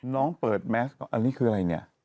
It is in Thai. น้องเปิดแม็กซ์อ่ะอะไรนี้